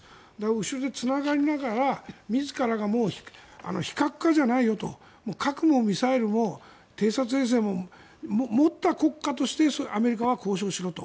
後ろでつながりながら自らが非核化じゃないよと核もミサイルも偵察衛星も持った国家としてアメリカは交渉しろと。